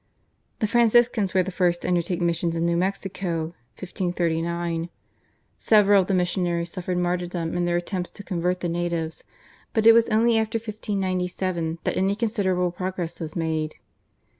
The Franciscans were the first to undertake missions in New Mexico (1539). Several of the missionaries suffered martyrdom in their attempts to convert the natives, but it was only after 1597 that any considerable progress was made.